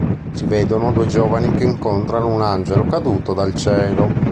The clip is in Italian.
Si vedono due giovani che incontrano un angelo caduto dal cielo.